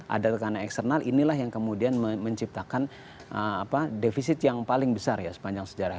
ada tekanan eksternal inilah yang kemudian menciptakan defisit yang paling besar ya sepanjang sejarah